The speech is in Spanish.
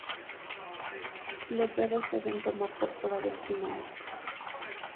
Los dedos deben tomar por fuera del kimono.